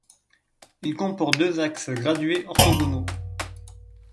Il comporte deux axes gradués orthogonaux.